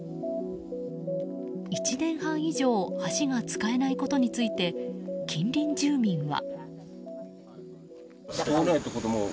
１年半以上橋が使えないことについて近隣住民は。